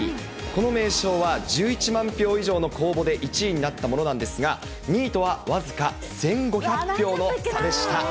この名称は１１万票以上の公募で１位になったものなんですが、２位とは僅か１５００票の差でした。